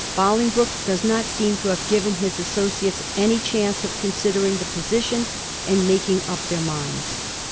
Bolingbroke does not seem to have given his associates any chance of considering the position and making up their minds.